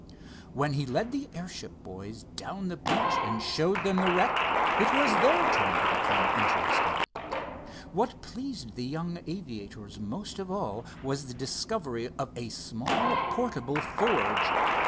When he led the airship boys down the beach and showed them the wreck, it was their turn to become interested. What pleased the young aviators most of all was the discovery of a small portable forge.